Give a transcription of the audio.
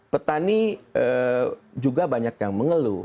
petani juga banyak yang mengeluh